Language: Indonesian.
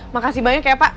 makasih banyak ya pak